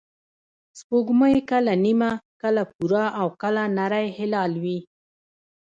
سپوږمۍ کله نیمه، کله پوره، او کله نری هلال وي